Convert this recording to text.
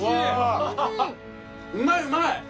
うまいうまい！